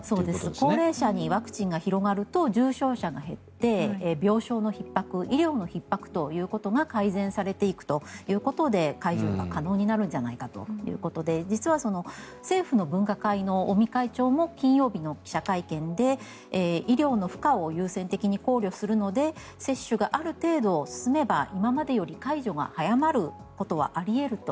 高齢者にワクチンが広がると重症者が減って病床のひっ迫医療のひっ迫ということが改善されていくということで解除が可能になるんじゃないかということで実は政府の分科会の尾身会長も金曜日の記者会見で医療の負荷を優先的に考慮するので接種がある程度、進めば今までより解除が早まることはあり得ると。